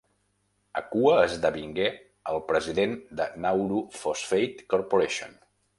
Akua esdevingué el president de Nauru Phosphate Corporation.